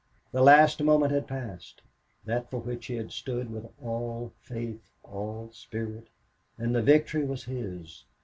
The last moment had passed that for which he had stood with all faith, all spirit and the victory was his.